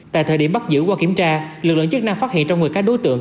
tại thời điểm bắt giữ qua kiểm tra lực lượng chức năng phát hiện trong người các đối tượng